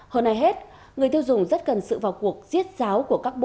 hồi này hết người tiêu dùng rất cần sự vào cuộc giết giáo của các bộ